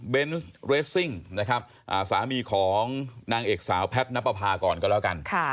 เบนส์เรสซิ่งสามีของนางเอกสาวแพทน์ณปภาก่อนก็แล้วกัน